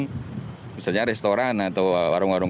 kalau misalnya perwali menjaraatkan bahwa kapasitas pengunjung